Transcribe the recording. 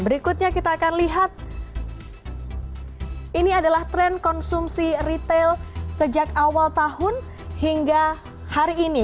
berikutnya kita akan lihat ini adalah tren konsumsi retail sejak awal tahun hingga hari ini